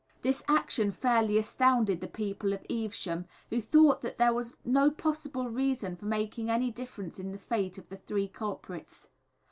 This action fairly astounded the people of Evesham, who thought that there was no possible reason for making any difference in the fate of the three culprits.